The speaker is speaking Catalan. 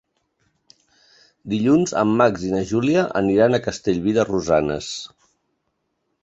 Dilluns en Max i na Júlia aniran a Castellví de Rosanes.